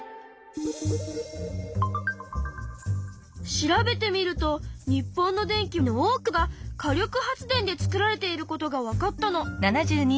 調べてみると日本の電気の多くが火力発電で作られていることがわかったの。